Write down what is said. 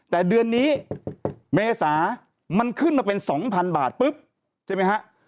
แต่เดือนนี้เมษามันขึ้นมาเป็น๒๐๐๐บาทปุ๊บใช่ไหมฮะ